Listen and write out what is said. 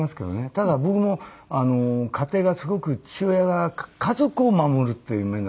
ただ僕も家庭がすごく父親が家族を守るっていう面がすごい強い人だったんで。